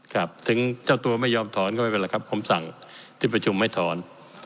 ครับถึงเจ้าตัวไม่ยอมถอนก็ไม่เป็นไรครับผมสั่งที่ประชุมไม่ถอน